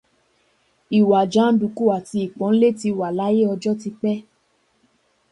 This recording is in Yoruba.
Ìwà jàndùkú àti ìpáǹle ti wà láyé, ọjọ́ ti pẹ́.